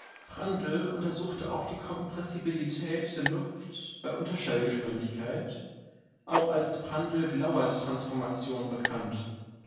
Prandtl untersuchte auch die Kompressibilität der Luft bei Unterschallgeschwindigkeit, auch als Prandtl-Glauert-Transformation bekannt.